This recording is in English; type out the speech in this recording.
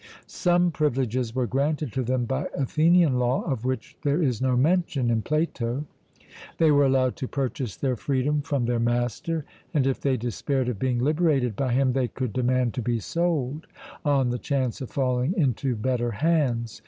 Some privileges were granted to them by Athenian law of which there is no mention in Plato; they were allowed to purchase their freedom from their master, and if they despaired of being liberated by him they could demand to be sold, on the chance of falling into better hands.